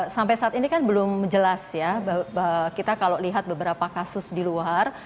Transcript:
sampai saat ini kan belum jelas ya kita kalau lihat beberapa kasus di luar